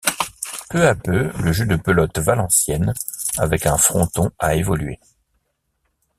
Peu à peu, le jeu de pelote valencienne avec un fronton a évolué.